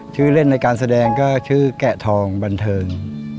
ชื่อเล่นในการแสดงก็ชื่อแกะทองบันเทิง